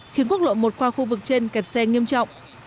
khiến quốc lộ một qua khu vực trên kẹt xe nghiêm trọng